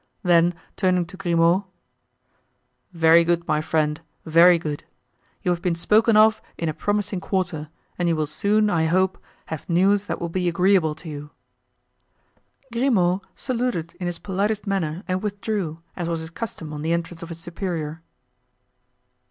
Then turning to Grimaud: "Very good, my friend, very good. You have been spoken of in a promising quarter and you will soon, I hope, have news that will be agreeable to you." Grimaud saluted in his politest manner and withdrew, as was his custom on the entrance of his superior.